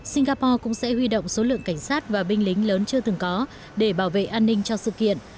singapore cũng sẽ huy động số lượng cảnh sát và binh lính lớn chưa từng có để bảo vệ an ninh cho sự kiện